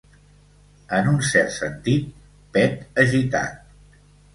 En un cert sentit, pet agitat.